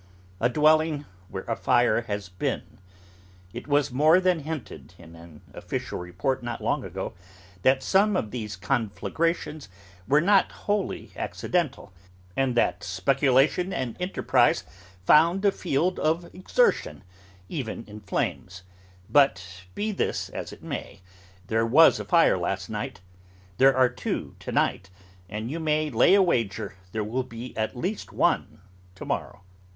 A dwelling where a fire has been. It was more than hinted, in an official report, not long ago, that some of these conflagrations were not wholly accidental, and that speculation and enterprise found a field of exertion, even in flames: but be this as it may, there was a fire last night, there are two to night, and you may lay an even wager there will be at least one, to morrow.